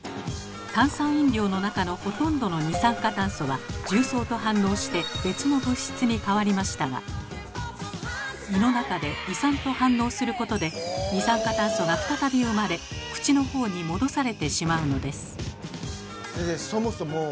炭酸飲料の中のほとんどの二酸化炭素は重曹と反応して別の物質に変わりましたが胃の中で胃酸と反応することで二酸化炭素が再び生まれ口の方に戻されてしまうのです。